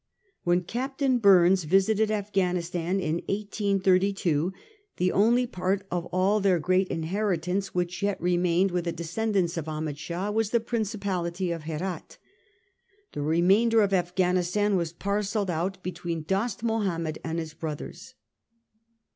When Captain Bumes visited Afghanistan in 1832, the only part of all their great inheritance 1837. DOST MAHOMED. 227 which, yet remained with the descendants of Ahmed Shah was the principality of Herat. The remain der of Afghanistan was parcelled out between Dost Mahomed and his brothers.